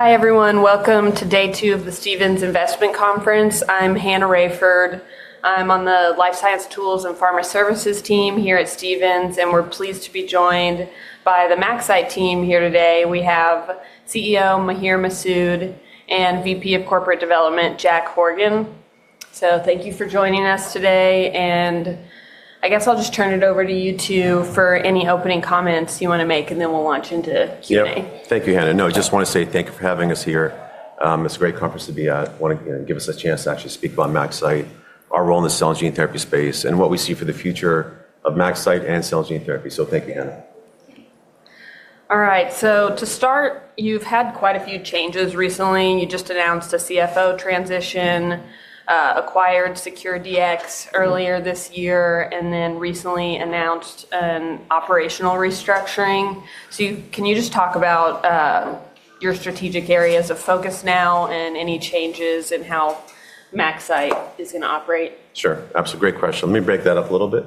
Hi, everyone. Welcome to Day Two of the Stevens Investment Conference. I'm Hannah Rayford. I'm on the Life Science Tools and Pharma Services team here at Stevens, and we're pleased to be joined by the MaxCyte team here today. We have CEO Maher Masoud and VP of Corporate Development, Jack Horgan. Thank you for joining us today. I guess I'll just turn it over to you two for any opening comments you want to make, and then we'll launch into Q&A. Yeah. Thank you, Hannah. No, I just want to say thank you for having us here. It's a great conference to be at. I want to give us a chance to actually speak about MaxCyte, our role in the cell and gene therapy space, and what we see for the future of MaxCyte and cell and gene therapy. Thank you, Hannah. All right. To start, you've had quite a few changes recently. You just announced a CFO transition, acquired SecureDx earlier this year, and then recently announced an operational restructuring. Can you just talk about your strategic areas of focus now and any changes in how MaxCyte is going to operate? Sure. Absolutely. Great question. Let me break that up a little bit.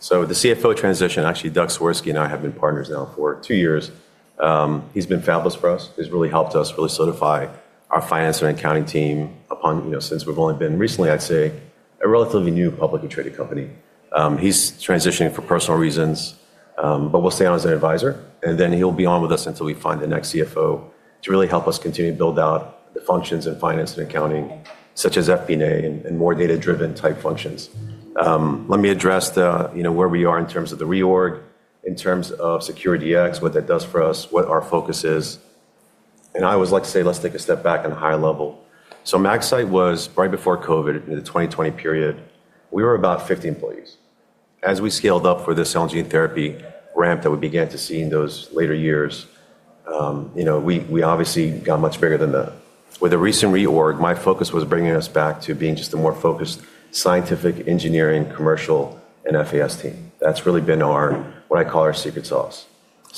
The CFO transition, actually, Doug Swirsky and I have been partners now for two years. He's been fabulous for us. He's really helped us really solidify our finance and accounting team, since we've only been recently, I'd say, a relatively new publicly traded company. He's transitioning for personal reasons, but will stay on as an advisor. He'll be on with us until we find the next CFO to really help us continue to build out the functions in finance and accounting, such as FP&A and more data-driven type functions. Let me address where we are in terms of the reorg, in terms of SecureDx, what that does for us, what our focus is. I would like to say, let's take a step back on a higher level. MaxCyte was, right before COVID, in the 2020 period, we were about 50 employees. As we scaled up for this cell and gene therapy ramp that we began to see in those later years, we obviously got much bigger than that. With the recent reorg, my focus was bringing us back to being just a more focused scientific, engineering, commercial, and FAS team. That has really been our, what I call our secret sauce.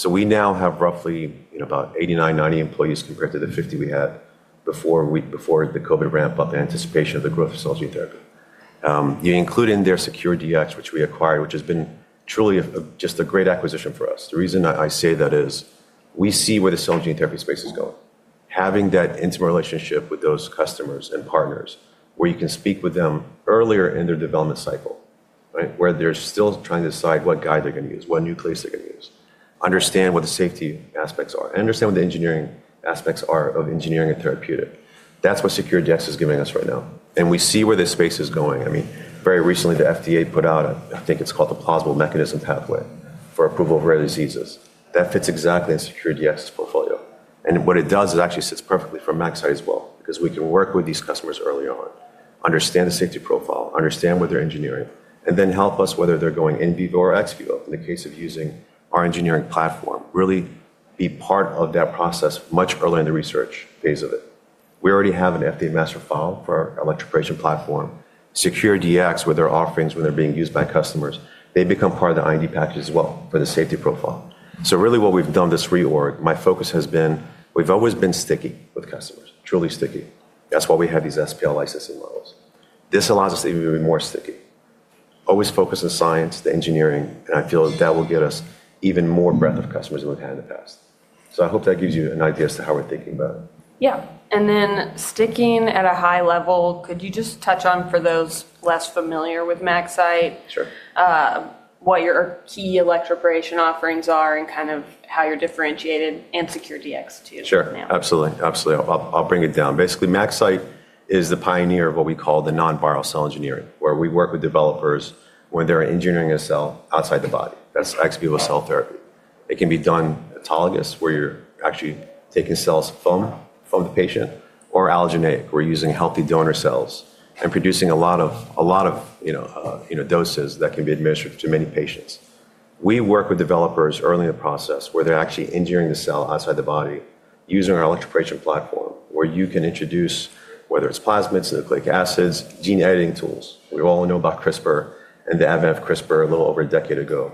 We now have roughly about 89-90 employees compared to the 50 we had before the COVID ramp-up and anticipation of the growth of cell and gene therapy. Including there SecureDx, which we acquired, which has been truly just a great acquisition for us. The reason I say that is we see where the cell and gene therapy space is going. Having that intimate relationship with those customers and partners where you can speak with them earlier in their development cycle, where they're still trying to decide what guide they're going to use, what nucleus they're going to use, understand what the safety aspects are, and understand what the engineering aspects are of engineering and therapeutic. That's what SecureDx is giving us right now. I mean, very recently, the FDA put out, I think it's called the Plausible Mechanism Pathway for Approval of Rare Diseases. That fits exactly in SecureDx's portfolio. What it does is actually sits perfectly for MaxCyte as well, because we can work with these customers early on, understand the safety profile, understand what they're engineering, and then help us whether they're going in vivo or ex vivo, in the case of using our engineering platform, really be part of that process much earlier in the research phase of it. We already have an FDA master file for our electroporation platform. SecureDx, with their offerings when they're being used by customers, they become part of the IND package as well for the safety profile. Really, what we've done this reorg, my focus has been, we've always been sticky with customers, truly sticky. That's why we have these SPL licensing models. This allows us to even be more sticky, always focus on science, the engineering, and I feel that will get us even more breadth of customers than we've had in the past. I hope that gives you an idea as to how we're thinking about it. Yeah. Sticking at a high level, could you just touch on, for those less familiar with MaxCyte, what your key electroporation offerings are and kind of how you're differentiated and SecureDx to you right now? Sure. Absolutely. Absolutely. I'll bring it down. Basically, MaxCyte is the pioneer of what we call the non-viral cell engineering, where we work with developers when they're engineering a cell outside the body. That's ex vivo cell therapy. It can be done autologous, where you're actually taking cells from the patient, or allogeneic, where you're using healthy donor cells and producing a lot of doses that can be administered to many patients. We work with developers early in the process where they're actually engineering the cell outside the body using our electroporation platform, where you can introduce, whether it's plasmids, nucleic acids, gene editing tools. We all know about CRISPR and the advent of CRISPR a little over a decade ago.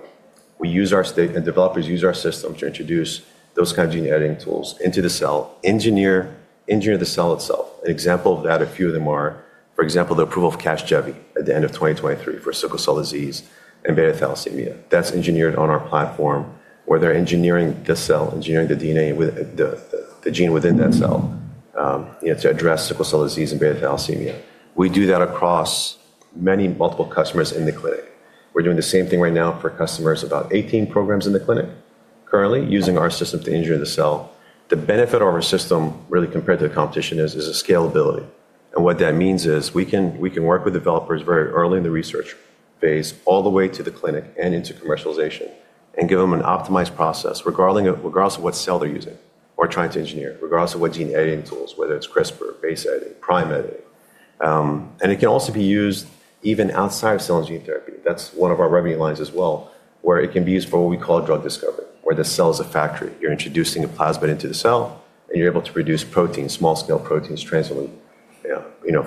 We use our state, and developers use our systems to introduce those kinds of gene editing tools into the cell, engineer the cell itself. An example of that, a few of them are, for example, the approval of Casgevy at the end of 2023 for sickle cell disease and beta thalassemia. That's engineered on our platform where they're engineering the cell, engineering the DNA, the gene within that cell to address sickle cell disease and beta thalassemia. We do that across many multiple customers in the clinic. We're doing the same thing right now for customers, about 18 programs in the clinic currently using our system to engineer the cell. The benefit of our system, really compared to the competition, is scalability. What that means is we can work with developers very early in the research phase all the way to the clinic and into commercialization and give them an optimized process regardless of what cell they're using or trying to engineer, regardless of what gene editing tools, whether it's CRISPR, base editing, prime editing. It can also be used even outside of cell and gene therapy. That's one of our revenue lines as well, where it can be used for what we call drug discovery, where the cell is a factory. You're introducing a plasmid into the cell, and you're able to produce proteins, small-scale proteins, transmitting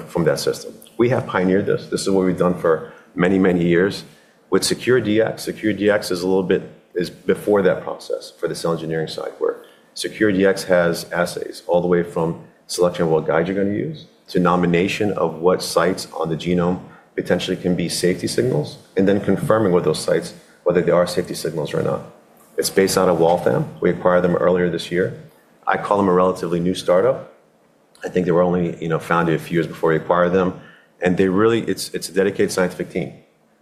from that system. We have pioneered this. This is what we've done for many, many years. With SecureDx, SecureDx is a little bit before that process for the cell engineering side, where SecureDx has assays all the way from selecting what guide you're going to use to nomination of what sites on the genome potentially can be safety signals, and then confirming with those sites whether they are safety signals or not. It's based out of Waltham. We acquired them earlier this year. I call them a relatively new startup. I think they were only founded a few years before we acquired them. It's a dedicated scientific team.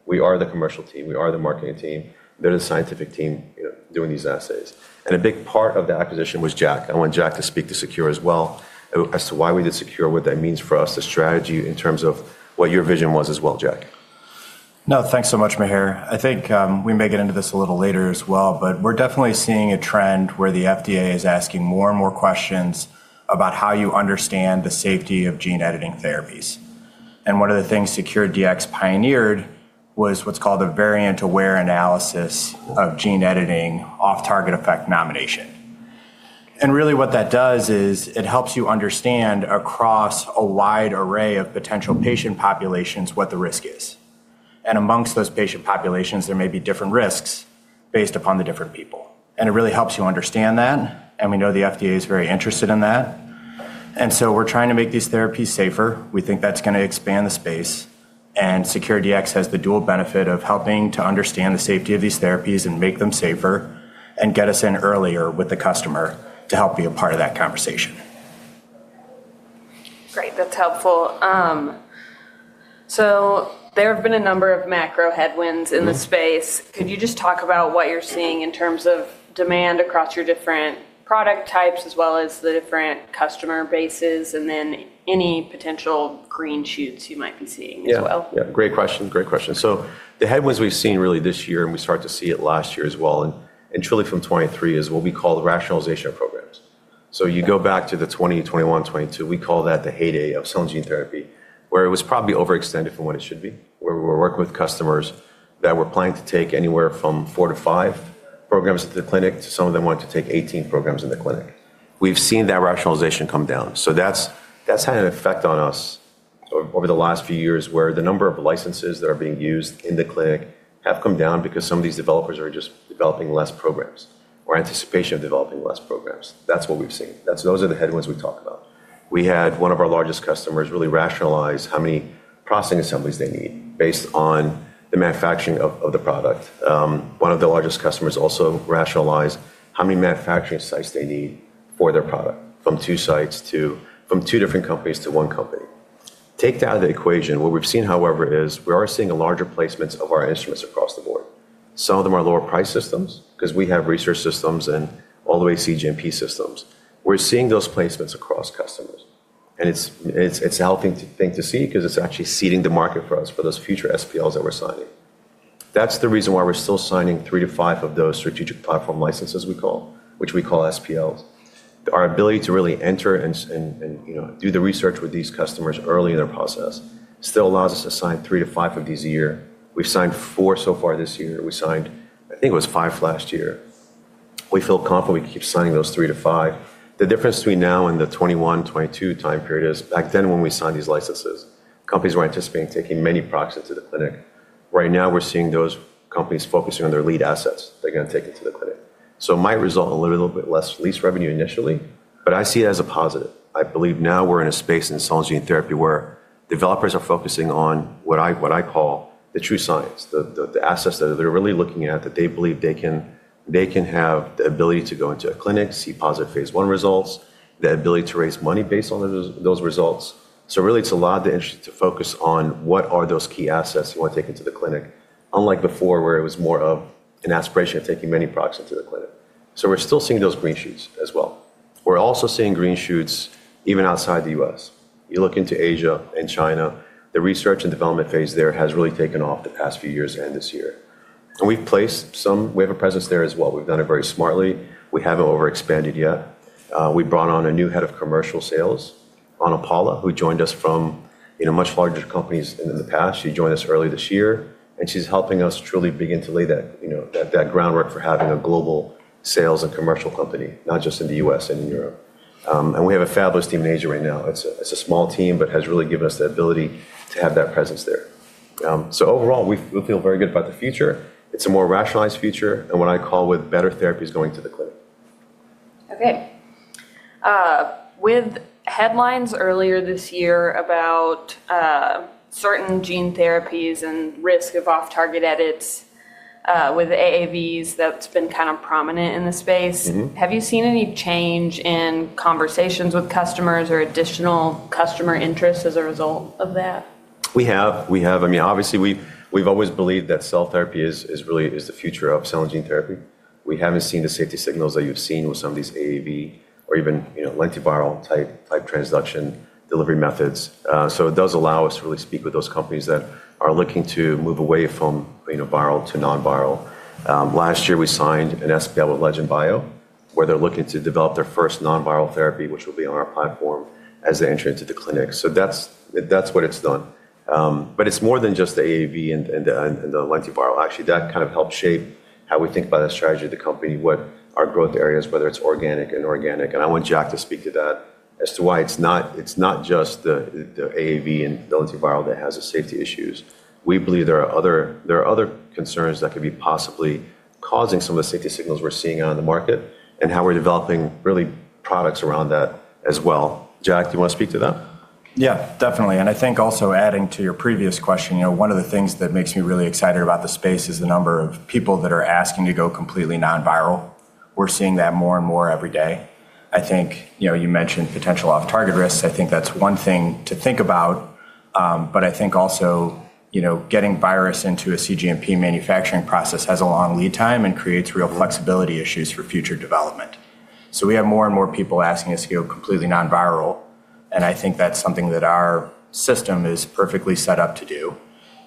We are the commercial team. We are the marketing team. They're the scientific team doing these assays. A big part of the acquisition was Jack.I want Jack to speak to SecureDx as well as to why we did SecureDx, what that means for us, the strategy in terms of what your vision was as well, Jack. No, thanks so much, Maher. I think we may get into this a little later as well, but we're definitely seeing a trend where the FDA is asking more and more questions about how you understand the safety of gene editing therapies. One of the things SecureDx pioneered was what's called a variant-aware analysis of gene editing off-target effect nomination. What that does is it helps you understand across a wide array of potential patient populations what the risk is. Amongst those patient populations, there may be different risks based upon the different people. It really helps you understand that. We know the FDA is very interested in that. We are trying to make these therapies safer. We think that's going to expand the space. SecureDx has the dual benefit of helping to understand the safety of these therapies and make them safer and get us in earlier with the customer to help be a part of that conversation. Great. That's helpful. There have been a number of macro headwinds in the space. Could you just talk about what you're seeing in terms of demand across your different product types as well as the different customer bases and then any potential green shoots you might be seeing as well? Yeah. Yeah. Great question. Great question. The headwinds we've seen really this year, and we started to see it last year as well, and truly from 2023, is what we call the rationalization programs. You go back to 2020, 2021, 2022, we call that the heyday of cell and gene therapy, where it was probably overextended from what it should be, where we were working with customers that were planning to take anywhere from four to five programs at the clinic, to some of them wanting to take 18 programs in the clinic. We've seen that rationalization come down. That has had an effect on us over the last few years where the number of licenses that are being used in the clinic have come down because some of these developers are just developing fewer programs or anticipation of developing fewer programs. That's what we've seen. Those are the headwinds we talk about. We had one of our largest customers really rationalize how many processing assemblies they need based on the manufacturing of the product. One of the largest customers also rationalized how many manufacturing sites they need for their product from two sites from two different companies to one company. Take that out of the equation. What we've seen, however, is we are seeing larger placements of our instruments across the board. Some of them are lower-priced systems because we have research systems and all the way CGMP systems. We're seeing those placements across customers. It is a healthy thing to see because it is actually seeding the market for us for those future SPLs that we're signing. That is the reason why we're still signing three to five of those strategic platform licenses, which we call SPLs. Our ability to really enter and do the research with these customers early in their process still allows us to sign three to five of these a year. We've signed four so far this year. We signed, I think it was five last year. We feel confident we can keep signing those three to five. The difference between now and the 2021, 2022 time period is back then when we signed these licenses, companies were anticipating taking many products into the clinic. Right now, we're seeing those companies focusing on their lead assets they're going to take into the clinic. It might result in a little bit less lease revenue initially, but I see it as a positive.I believe now we're in a space in cell and gene therapy where developers are focusing on what I call the true science, the assets that they're really looking at that they believe they can have the ability to go into a clinic, see positive phase I results, the ability to raise money based on those results. Really, it's a lot of the interest to focus on what are those key assets you want to take into the clinic, unlike before where it was more of an aspiration of taking many products into the clinic. We're still seeing those green shoots as well. We're also seeing green shoots even outside the U.S. You look into Asia and China, the research and development phase there has really taken off the past few years and this year. We've placed some, we have a presence there as well. We've done it very smartly. We haven't overexpanded yet. We brought on a new Head of Commercial Sales, Ana Paula, who joined us from much larger companies in the past. She joined us early this year. She's helping us truly begin to lay that groundwork for having a global sales and commercial company, not just in the U.S. and in Europe. We have a fabulous team manager right now. It's a small team, but has really given us the ability to have that presence there. Overall, we feel very good about the future. It's a more rationalized future and what I call with better therapies going to the clinic. Okay. With headlines earlier this year about certain gene therapies and risk of off-target edits with AAVs, that's been kind of prominent in the space. Have you seen any change in conversations with customers or additional customer interests as a result of that? We have. I mean, obviously, we've always believed that cell therapy is the future of cell and gene therapy. We haven't seen the safety signals that you've seen with some of these AAV or even lentiviral-type transduction delivery methods. It does allow us to really speak with those companies that are looking to move away from viral to non-viral. Last year, we signed an SPL with Legend Biotech, where they're looking to develop their first non-viral therapy, which will be on our platform as they enter into the clinic. That is what it's done. It is more than just the AAV and the lentiviral. Actually, that kind of helped shape how we think about the strategy of the company, what our growth areas are, whether it's organic and inorganic.I want Jack to speak to that as to why it's not just the AAV and the lentiviral that has the safety issues. We believe there are other concerns that could be possibly causing some of the safety signals we're seeing on the market and how we're developing really products around that as well. Jack, do you want to speak to that? Yeah, definitely. I think also adding to your previous question, one of the things that makes me really excited about the space is the number of people that are asking to go completely non-viral. We're seeing that more and more every day. I think you mentioned potential off-target risks. I think that's one thing to think about. I think also getting virus into a CGMP manufacturing process has a long lead time and creates real flexibility issues for future development. We have more and more people asking us to go completely non-viral. I think that's something that our system is perfectly set up to do.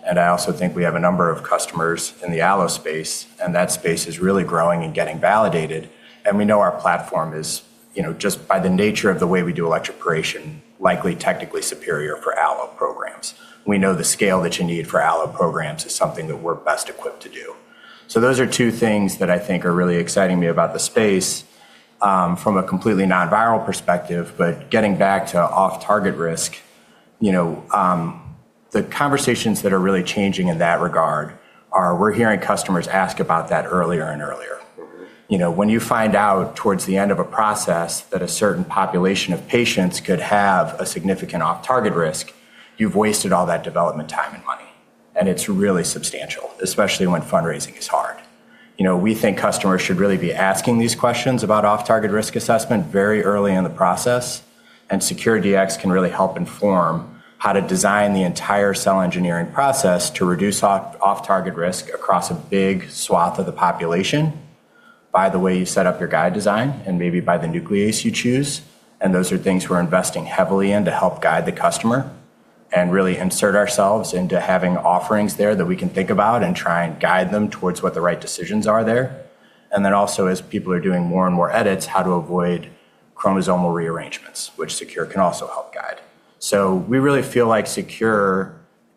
I also think we have a number of customers in the allo space, and that space is really growing and getting validated. We know our platform is, just by the nature of the way we do electroporation, likely technically superior for allo programs. We know the scale that you need for allo programs is something that we're best equipped to do. Those are two things that I think are really exciting me about the space from a completely non-viral perspective. Getting back to off-target risk, the conversations that are really changing in that regard are we're hearing customers ask about that earlier and earlier. When you find out towards the end of a process that a certain population of patients could have a significant off-target risk, you've wasted all that development time and money. It's really substantial, especially when fundraising is hard. We think customers should really be asking these questions about off-target risk assessment very early in the process. SecureDx can really help inform how to design the entire cell engineering process to reduce off-target risk across a big swath of the population by the way you set up your guide design and maybe by the nuclease you choose. Those are things we're investing heavily in to help guide the customer and really insert ourselves into having offerings there that we can think about and try and guide them towards what the right decisions are there. Also, as people are doing more and more edits, how to avoid chromosomal rearrangements, which SecureDx can also help guide. We really feel like SecureDx,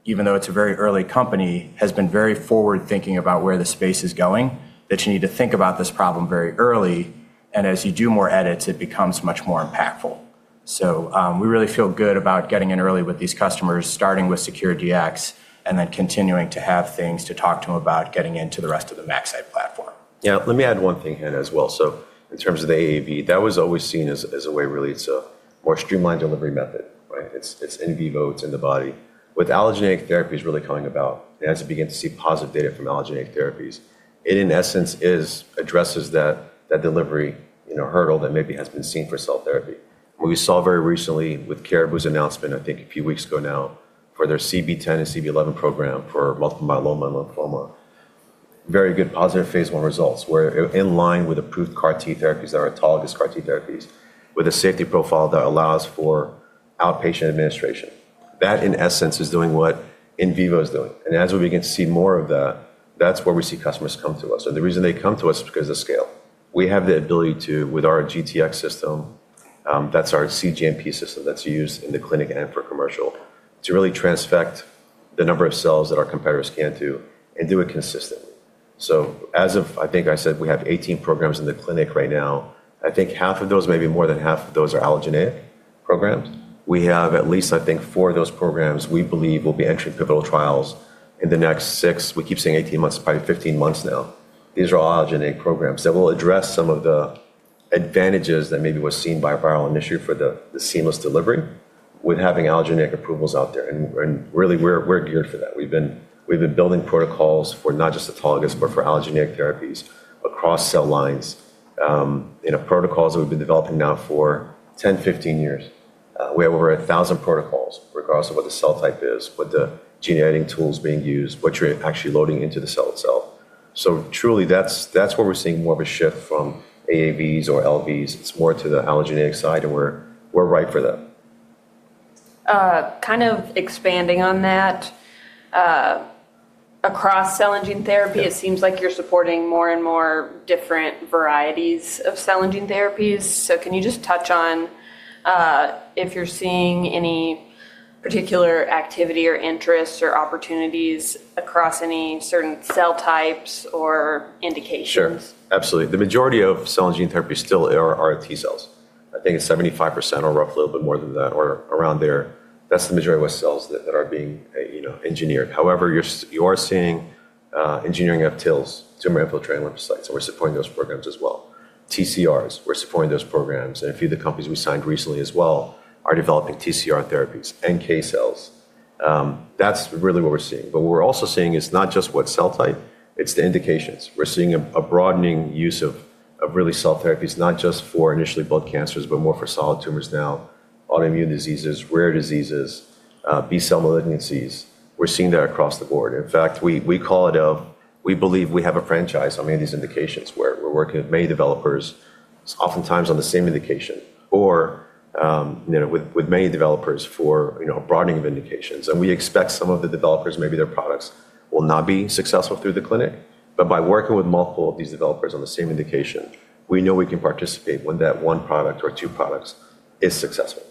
even though it's a very early company, has been very forward-thinking about where the space is going, that you need to think about this problem very early. As you do more edits, it becomes much more impactful. We really feel good about getting in early with these customers, starting with SecureDx and then continuing to have things to talk to them about getting into the rest of the MaxCyte platform. Yeah. Let me add one thing here as well. In terms of the AAV, that was always seen as a way really to more streamlined delivery method, right? It's in vivo. It's in the body. With allogeneic therapies really coming about and as we begin to see positive data from allogeneic therapies, it in essence addresses that delivery hurdle that maybe has been seen for cell therapy. We saw very recently with Caribou's announcement, I think a few weeks ago now, for their CB-010 and CB-011 program for multiple myeloma and lymphoma, very good positive phase one results where in line with approved CAR-T therapies that are autologous CAR-T therapies with a safety profile that allows for outpatient administration. That in essence is doing what in vivo is doing. As we begin to see more of that, that's where we see customers come to us. The reason they come to us is because of the scale. We have the ability to, with our GTX system, that's our CGMP system that's used in the clinic and for commercial, to really transfect the number of cells that our competitors can't do and do it consistently. As of, I think I said, we have 18 programs in the clinic right now. I think half of those, maybe more than half of those, are allogeneic programs. We have at least, I think, four of those programs we believe will be entering pivotal trials in the next six, we keep saying 18 months, probably 15 months now. These are all allogeneic programs that will address some of the advantages that maybe were seen by viral initially for the seamless delivery with having allogeneic approvals out there. Really, we're geared for that. We've been building protocols for not just autologous, but for allogeneic therapies across cell lines, protocols that we've been developing now for 10, 15 years. We have over 1,000 protocols regardless of what the cell type is, what the gene editing tools are being used, what you're actually loading into the cell itself. Truly, that's where we're seeing more of a shift from AAVs or LVs. It's more to the allogeneic side, and we're right for that. Kind of expanding on that, across cell and gene therapy, it seems like you're supporting more and more different varieties of cell and gene therapies. Can you just touch on if you're seeing any particular activity or interests or opportunities across any certain cell types or indications? Sure. Absolutely. The majority of cell and gene therapies still are CAR-T cells. I think it's 75% or roughly a little bit more than that or around there. That's the majority of what cells that are being engineered. However, you are seeing engineering of TILs, tumor infiltrating lymphocytes. We're supporting those programs as well. TCRs, we're supporting those programs. A few of the companies we signed recently as well are developing TCR therapies, NK cells. That's really what we're seeing. What we're also seeing is not just what cell type, it's the indications. We're seeing a broadening use of really cell therapies, not just for initially blood cancers, but more for solid tumors now, autoimmune diseases, rare diseases, B-cell malignancies. We're seeing that across the board.In fact, we call it a, we believe we have a franchise on many of these indications where we're working with many developers, oftentimes on the same indication, or with many developers for broadening of indications. We expect some of the developers, maybe their products will not be successful through the clinic. By working with multiple of these developers on the same indication, we know we can participate when that one product or two products is successful.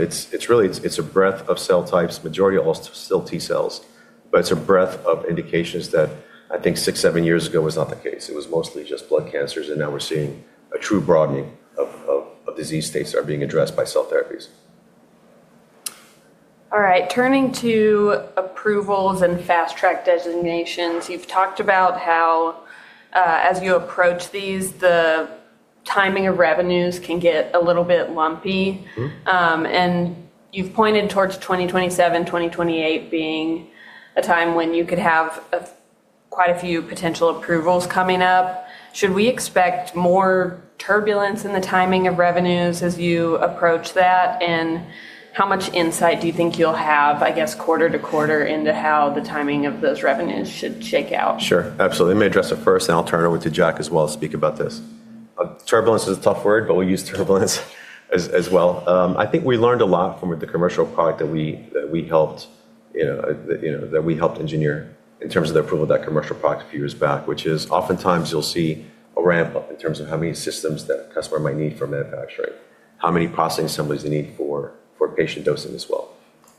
It is really, it is a breadth of cell types, majority are all still T cells, but it is a breadth of indications that I think six, seven years ago was not the case. It was mostly just blood cancers. Now we are seeing a true broadening of disease states that are being addressed by cell therapies. All right. Turning to approvals and fast-track designations, you've talked about how, as you approach these, the timing of revenues can get a little bit lumpy. You have pointed towards 2027, 2028 being a time when you could have quite a few potential approvals coming up. Should we expect more turbulence in the timing of revenues as you approach that? How much insight do you think you'll have, I guess, quarter to quarter into how the timing of those revenues should shake out? Sure. Absolutely. Let me address it first, and I'll turn it over to Jack as well to speak about this. Turbulence is a tough word, but we'll use turbulence as well. I think we learned a lot from the commercial product that we helped engineer in terms of the approval of that commercial product a few years back, which is oftentimes you'll see a ramp up in terms of how many systems that a customer might need for manufacturing, how many processing assemblies they need for patient dosing as well.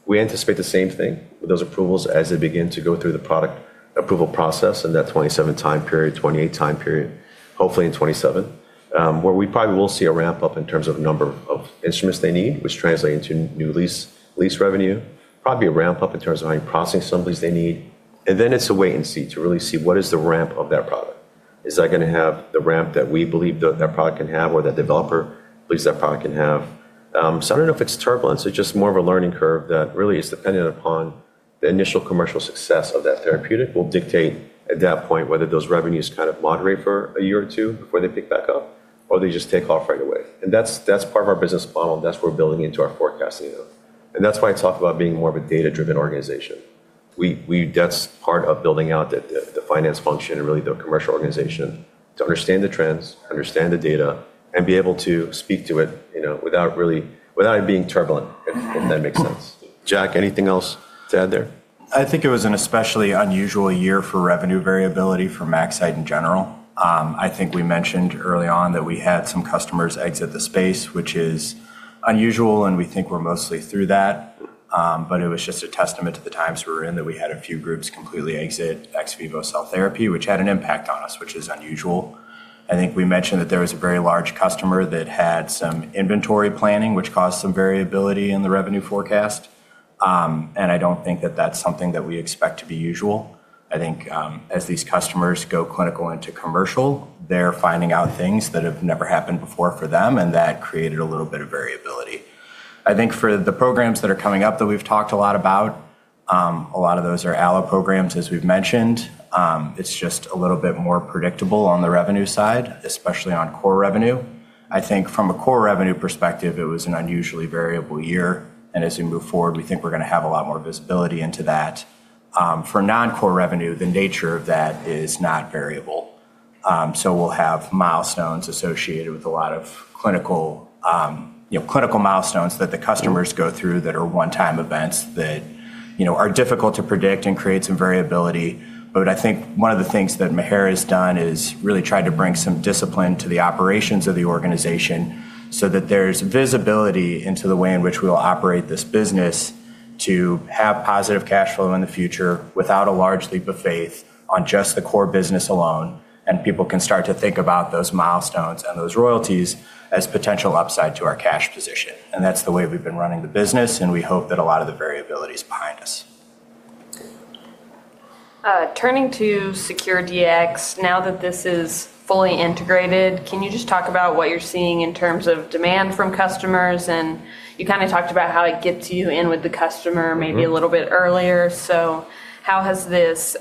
We anticipate the same thing with those approvals as they begin to go through the product approval process in that 2027 time period, 2028 time period, hopefully in 2027, where we probably will see a ramp up in terms of the number of instruments they need, which translates into new lease revenue, probably a ramp up in terms of how many processing assemblies they need. It is a wait and see to really see what is the ramp of that product. Is that going to have the ramp that we believe that that product can have or that developer believes that product can have? I do not know if it is turbulence.It's just more of a learning curve that really is dependent upon the initial commercial success of that therapeutic will dictate at that point whether those revenues kind of moderate for a year or two before they pick back up or they just take off right away. That's part of our business model. That's what we're building into our forecasting. That's why I talk about being more of a data-driven organization. That's part of building out the finance function and really the commercial organization to understand the trends, understand the data, and be able to speak to it without it being turbulent, if that makes sense. Jack, anything else to add there? I think it was an especially unusual year for revenue variability for MaxCyte in general. I think we mentioned early on that we had some customers exit the space, which is unusual, and we think we're mostly through that. It was just a testament to the times we were in that we had a few groups completely exit ex vivo cell therapy, which had an impact on us, which is unusual. I think we mentioned that there was a very large customer that had some inventory planning, which caused some variability in the revenue forecast. I don't think that that's something that we expect to be usual. I think as these customers go clinical into commercial, they're finding out things that have never happened before for them, and that created a little bit of variability.I think for the programs that are coming up that we've talked a lot about, a lot of those are allo programs, as we've mentioned. It's just a little bit more predictable on the revenue side, especially on core revenue. I think from a core revenue perspective, it was an unusually variable year. As we move forward, we think we're going to have a lot more visibility into that. For non-core revenue, the nature of that is not variable. We'll have milestones associated with a lot of clinical milestones that the customers go through that are one-time events that are difficult to predict and create some variability.I think one of the things that Maher has done is really tried to bring some discipline to the operations of the organization so that there's visibility into the way in which we will operate this business to have positive cash flow in the future without a large leap of faith on just the core business alone. People can start to think about those milestones and those royalties as potential upside to our cash position. That's the way we've been running the business, and we hope that a lot of the variability is behind us. Turning to SecureDx, now that this is fully integrated, can you just talk about what you're seeing in terms of demand from customers? You kind of talked about how it gets you in with the customer maybe a little bit earlier. How has this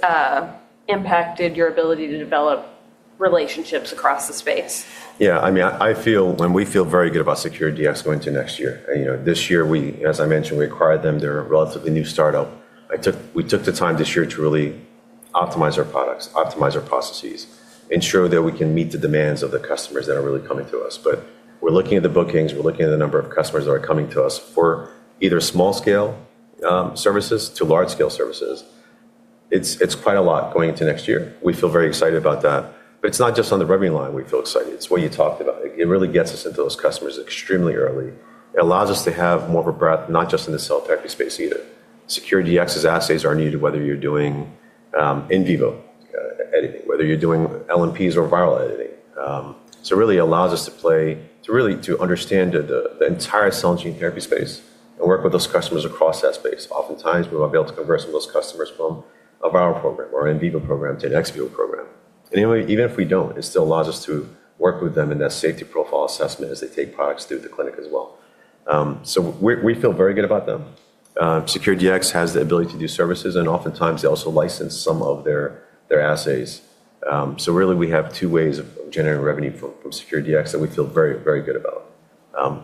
impacted your ability to develop relationships across the space? Yeah. I mean, I feel and we feel very good about SecureDx going into next year. This year, as I mentioned, we acquired them. They're a relatively new startup. We took the time this year to really optimize our products, optimize our processes, ensure that we can meet the demands of the customers that are really coming to us. We're looking at the bookings. We're looking at the number of customers that are coming to us for either small-scale services to large-scale services. It's quite a lot going into next year. We feel very excited about that. It is not just on the revenue line we feel excited. It is what you talked about. It really gets us into those customers extremely early. It allows us to have more of a breadth not just in the cell therapy space either. SecureDx's assets are needed whether you're doing in vivo editing, whether you're doing LMPs or viral editing. It really allows us to play to really understand the entire cell and gene therapy space and work with those customers across that space. Oftentimes, we might be able to converse with those customers from a viral program or an in vivo program to an ex vivo program. Even if we don't, it still allows us to work with them in that safety profile assessment as they take products through the clinic as well. We feel very good about them. SecureDx has the ability to do services, and oftentimes, they also license some of their assets. We have two ways of generating revenue from SecureDx that we feel very, very good about.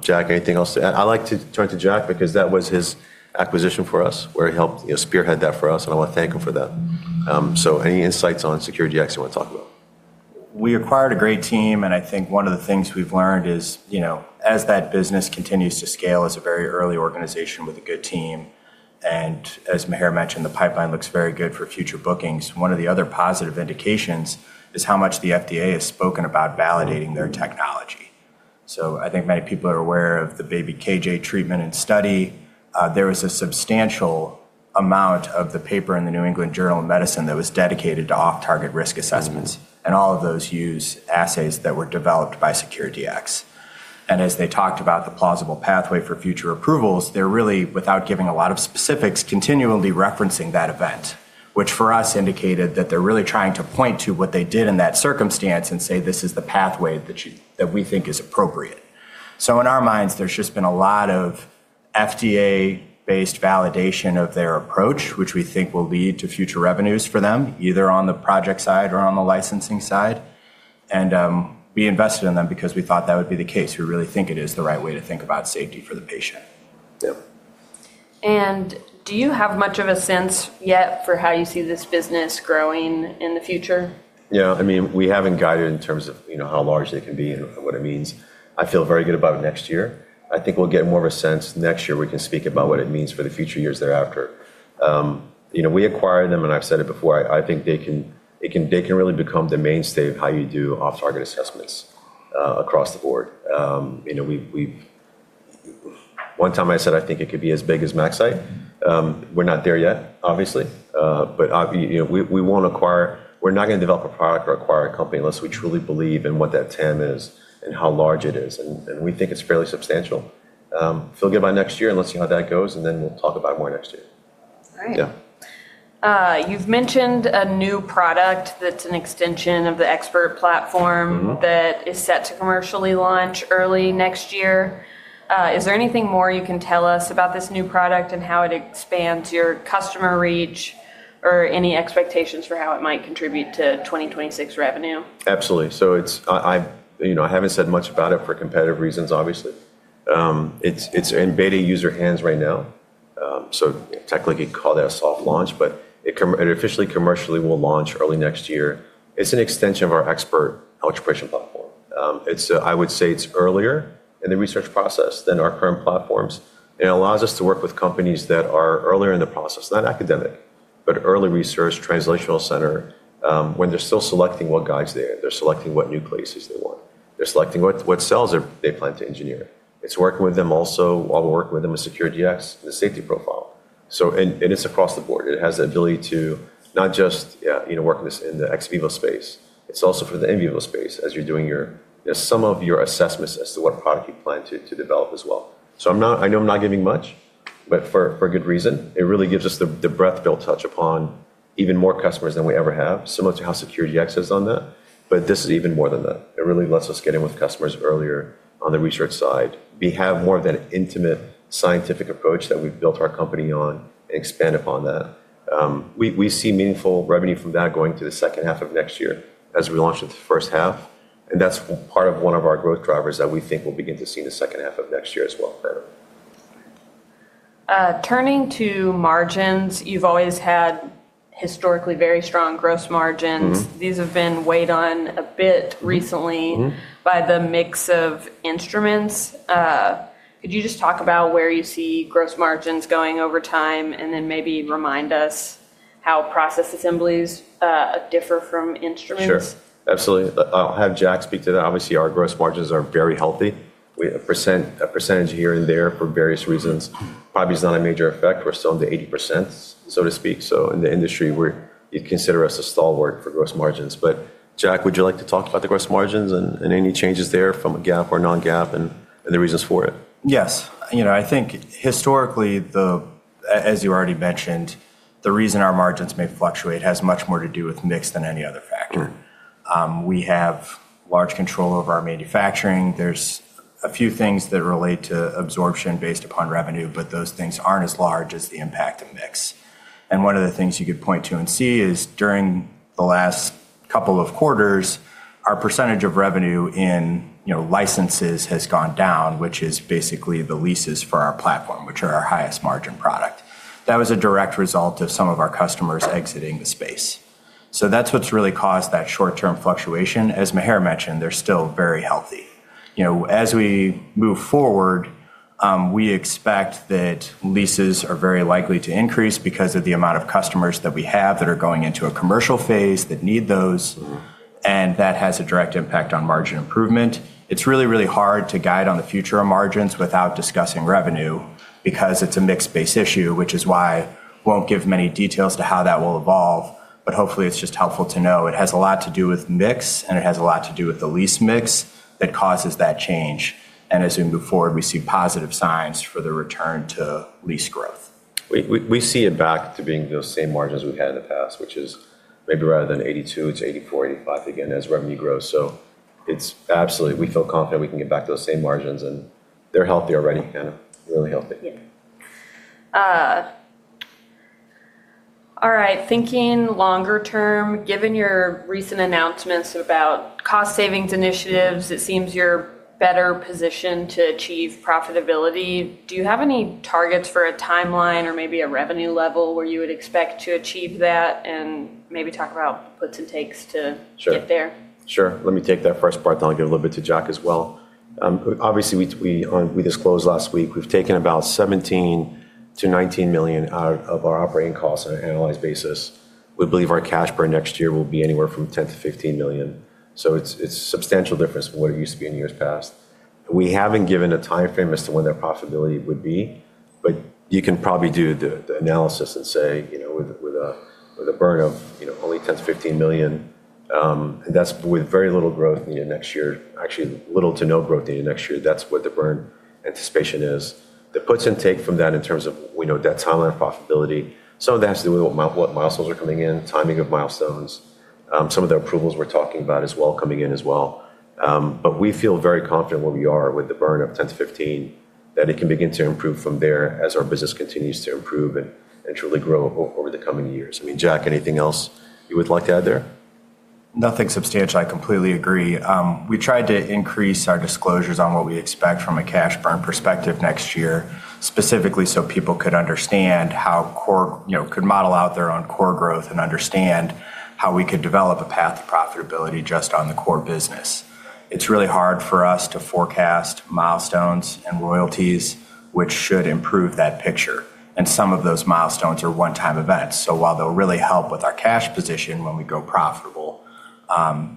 Jack, anything else to add? I'd like to turn to Jack because that was his acquisition for us, where he helped spearhead that for us. I want to thank him for that. Any insights on SecureDx you want to talk about? We acquired a great team. I think one of the things we've learned is, as that business continues to scale as a very early organization with a good team, and as Maher mentioned, the pipeline looks very good for future bookings, one of the other positive indications is how much the FDA has spoken about validating their technology. I think many people are aware of the baby KJ treatment and study. There was a substantial amount of the paper in the New England Journal of Medicine that was dedicated to off-target risk assessments. All of those use assays that were developed by SecureDx.As they talked about the plausible pathway for future approvals, they're really, without giving a lot of specifics, continually referencing that event, which for us indicated that they're really trying to point to what they did in that circumstance and say, "This is the pathway that we think is appropriate." In our minds, there's just been a lot of FDA-based validation of their approach, which we think will lead to future revenues for them, either on the project side or on the licensing side. We invested in them because we thought that would be the case. We really think it is the right way to think about safety for the patient. Do you have much of a sense yet for how you see this business growing in the future? Yeah. I mean, we haven't guided in terms of how large they can be and what it means. I feel very good about next year. I think we'll get more of a sense next year. We can speak about what it means for the future years thereafter. We acquired them, and I've said it before. I think they can really become the mainstay of how you do off-target assessments across the board. One time, I said, "I think it could be as big as MaxCyte." We're not there yet, obviously. We won't acquire, we're not going to develop a product or acquire a company unless we truly believe in what that TAM is and how large it is. We think it's fairly substantial. Feel good about next year, and let's see how that goes. We'll talk about it more next year. All right. You've mentioned a new product that's an extension of the ExPERT platform that is set to commercially launch early next year. Is there anything more you can tell us about this new product and how it expands your customer reach or any expectations for how it might contribute to 2026 revenue? Absolutely. I have not said much about it for competitive reasons, obviously. It is in beta user hands right now. Technically, you would call that a soft launch, but it officially commercially will launch early next year. It is an extension of our ExPERT electroporation platform. I would say it is earlier in the research process than our current platforms. It allows us to work with companies that are earlier in the process, not academic, but early research translational center when they are still selecting what guides they are. They are selecting what nuclease they want. They are selecting what cells they plan to engineer. It is working with them also while we are working with them with SecureDx and the safety profile. It is across the board. It has the ability to not just work in the ex vivo space.is also for the in vivo space as you are doing some of your assessments as to what product you plan to develop as well. I know I am not giving much, but for a good reason. It really gives us the breadth that will touch upon even more customers than we ever have, similar to how SecureDx is on that. This is even more than that. It really lets us get in with customers earlier on the research side. We have more of that intimate scientific approach that we have built our company on and expand upon that. We see meaningful revenue from that going to the second half of next year as we launch the first half. That is part of one of our growth drivers that we think we will begin to see in the second half of next year as well. Turning to margins, you've always had historically very strong gross margins. These have been weighed on a bit recently by the mix of instruments. Could you just talk about where you see gross margins going over time and then maybe remind us how process assemblies differ from instruments? Sure. Absolutely. I'll have Jack speak to that. Obviously, our gross margins are very healthy. We have a percentage here and there for various reasons. Probably is not a major effect. We're still in the 80%, so to speak. In the industry, you'd consider us a stalwart for gross margins. Jack, would you like to talk about the gross margins and any changes there from a GAAP or non-GAAP and the reasons for it? Yes. I think historically, as you already mentioned, the reason our margins may fluctuate has much more to do with mix than any other factor. We have large control over our manufacturing. There are a few things that relate to absorption based upon revenue, but those things are not as large as the impact of mix. One of the things you could point to and see is during the last couple of quarters, our % of revenue in licenses has gone down, which is basically the leases for our platform, which are our highest margin product. That was a direct result of some of our customers exiting the space. That is what has really caused that short-term fluctuation. As Maher mentioned, they are still very healthy. As we move forward, we expect that leases are very likely to increase because of the amount of customers that we have that are going into a commercial phase that need those. That has a direct impact on margin improvement. It's really, really hard to guide on the future of margins without discussing revenue because it's a mix-based issue, which is why I won't give many details to how that will evolve. Hopefully, it's just helpful to know. It has a lot to do with mix, and it has a lot to do with the lease mix that causes that change. As we move forward, we see positive signs for the return to lease growth. We see it back to being those same margins we've had in the past, which is maybe rather than 82%, it's 84%-85% again as revenue grows. We feel confident we can get back to those same margins. They're healthy already, Hannah. Really healthy. All right. Thinking longer term, given your recent announcements about cost savings initiatives, it seems you're better positioned to achieve profitability. Do you have any targets for a timeline or maybe a revenue level where you would expect to achieve that and maybe talk about puts and takes to get there? Sure. Let me take that first part. Then I'll give a little bit to Jack as well. Obviously, we disclosed last week we've taken about $17 million-$19 million out of our operating costs on an annualized basis. We believe our cash burn next year will be anywhere from $10 million-$15 million. It is a substantial difference from what it used to be in years past. We haven't given a timeframe as to when that profitability would be. You can probably do the analysis and say, with a burn of only $10 million-$15 million, and that's with very little growth in the year next year, actually little to no growth in the year next year, that's what the burn anticipation is. The puts and take from that in terms of that timeline of profitability, some of that has to do with what milestones are coming in, timing of milestones. Some of the approvals we are talking about as well coming in as well. We feel very confident where we are with the burn of $10-$15 million, that it can begin to improve from there as our business continues to improve and truly grow over the coming years. I mean, Jack, anything else you would like to add there? Nothing substantial. I completely agree. We tried to increase our disclosures on what we expect from a cash burn perspective next year, specifically so people could understand how core could model out their own core growth and understand how we could develop a path to profitability just on the core business. It is really hard for us to forecast milestones and royalties, which should improve that picture. Some of those milestones are one-time events. While they will really help with our cash position when we go profitable,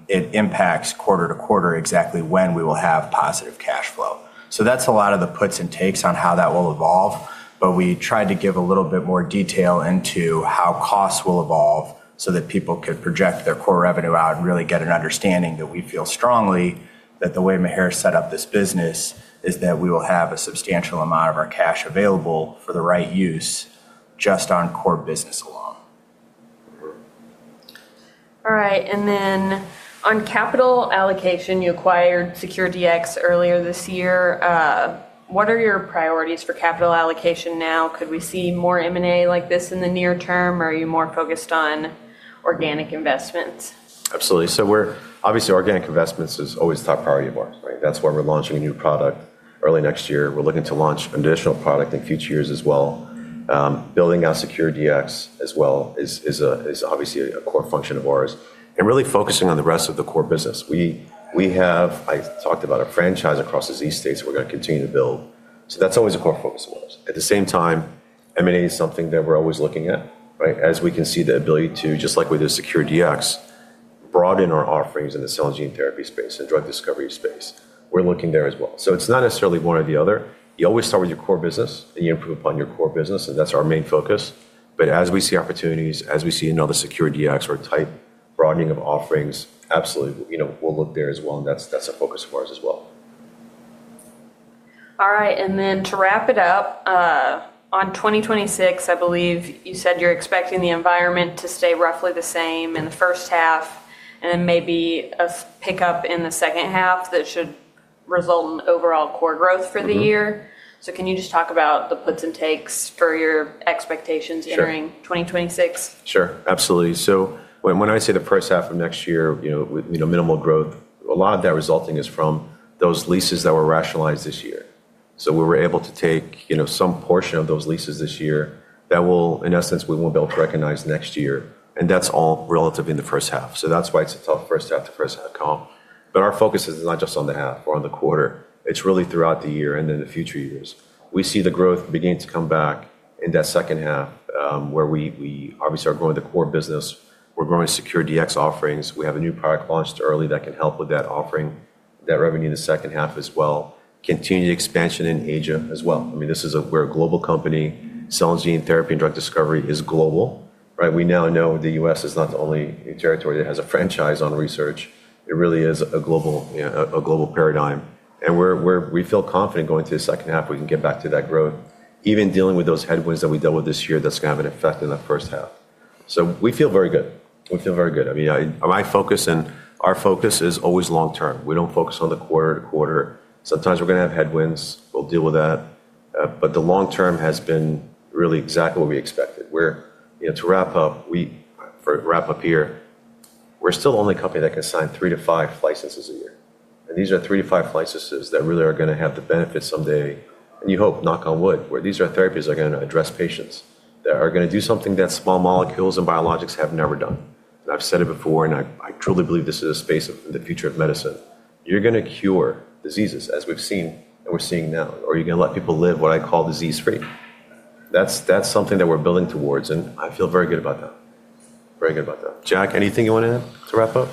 it impacts quarter to quarter exactly when we will have positive cash flow. That is a lot of the puts and takes on how that will evolve. We tried to give a little bit more detail into how costs will evolve so that people could project their core revenue out and really get an understanding that we feel strongly that the way Maher set up this business is that we will have a substantial amount of our cash available for the right use just on core business alone. All right. And then on capital allocation, you acquired SecureDx earlier this year. What are your priorities for capital allocation now? Could we see more M&A like this in the near term, or are you more focused on organic investments? Absolutely. Obviously, organic investments is always top priority of ours. That is why we are launching a new product early next year. We are looking to launch an additional product in future years as well. Building out SecureDx as well is obviously a core function of ours and really focusing on the rest of the core business. We have, I talked about, a franchise across the U.S. states we are going to continue to build. That is always a core focus of ours. At the same time, M&A is something that we are always looking at. As we can see the ability to, just like with SecureDx, broaden our offerings in the cell and gene therapy space and drug discovery space, we are looking there as well. It is not necessarily one or the other. You always start with your core business, and you improve upon your core business. That is our main focus. As we see opportunities, as we see another SecureDx or type broadening of offerings, absolutely, we'll look there as well. That is a focus of ours as well. All right. To wrap it up, on 2026, I believe you said you're expecting the environment to stay roughly the same in the first half and then maybe a pickup in the second half that should result in overall core growth for the year. Can you just talk about the puts and takes for your expectations during 2026? Sure. Absolutely. When I say the first half of next year, minimal growth, a lot of that resulting is from those leases that were rationalized this year. We were able to take some portion of those leases this year that will, in essence, we will not be able to recognize next year. That is all relative in the first half. That is why it is a tough first half to first half comparison. Our focus is not just on the half or on the quarter. It is really throughout the year and in the future years. We see the growth begin to come back in that second half where we obviously are growing the core business. We are growing SecureDx offerings. We have a new product launched early that can help with that offering, that revenue in the second half as well. Continued expansion in Asia as well.I mean, this is where a global company, cell and gene therapy and drug discovery is global. We now know the U.S. is not the only territory that has a franchise on research. It really is a global paradigm. We feel confident going to the second half, we can get back to that growth, even dealing with those headwinds that we dealt with this year that's going to have an effect in the first half. We feel very good. We feel very good. I mean, my focus and our focus is always long term. We do not focus on the quarter to quarter. Sometimes we are going to have headwinds. We will deal with that. The long term has been really exactly what we expected. To wrap up, for wrap up here, we are still the only company that can sign three to five licenses a year. These are three to five licenses that really are going to have the benefits someday. You hope, knock on wood, where these are therapies that are going to address patients that are going to do something that small molecules and biologics have never done. I've said it before, and I truly believe this is a space of the future of medicine. You're going to cure diseases as we've seen and we're seeing now, or you're going to let people live what I call disease-free. That's something that we're building towards. I feel very good about that. Very good about that. Jack, anything you want to add to wrap up?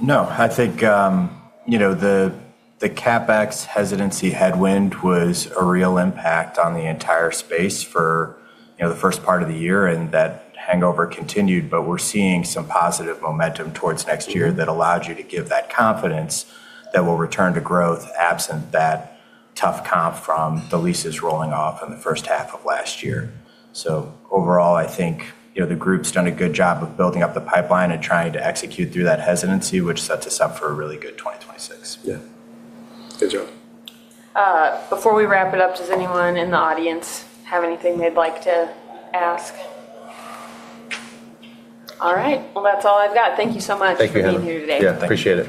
No. I think the CapEx hesitancy headwind was a real impact on the entire space for the first part of the year. That hangover continued. We are seeing some positive momentum towards next year that allowed you to give that confidence that we will return to growth absent that tough comp from the leases rolling off in the first half of last year. Overall, I think the group's done a good job of building up the pipeline and trying to execute through that hesitancy, which sets us up for a really good 2026. Yeah. Good job. Before we wrap it up, does anyone in the audience have anything they'd like to ask? All right. That is all I've got. Thank you so much for being here today. Thank you.